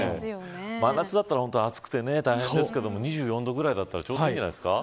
真夏だったら暑くて大変ですけれども２４度ぐらいだったらちょうどいいんじゃないですか。